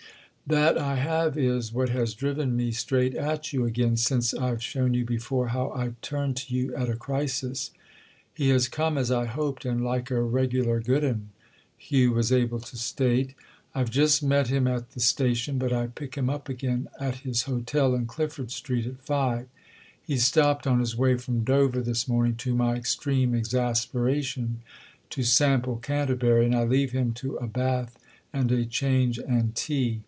"That I have is what has driven me straight at you again—since I've shown you before how I turn to you at a crisis. He has come as I hoped and like a regular good 'un," Hugh was able to state; "I've just met him at the station, but I pick him up again, at his hotel in Clifford Street, at five. He stopped, on his way from Dover this morning, to my extreme exasperation, to 'sample' Canterbury, and I leave him to a bath and a change and tea.